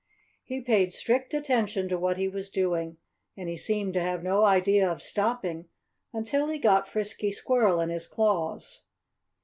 He paid strict attention to what he was doing. And he seemed to have no idea of stopping until he got Frisky Squirrel in his claws.